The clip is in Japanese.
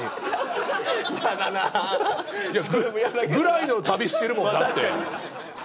ヤダな。ぐらいの旅してるもんだって。